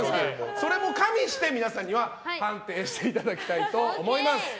それも加味して皆さんに判定していただきたいと思います。